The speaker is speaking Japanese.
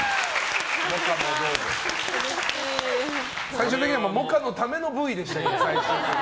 最終的には萌歌のためのＶでした。